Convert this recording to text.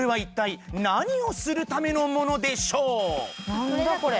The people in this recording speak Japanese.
何だこれ？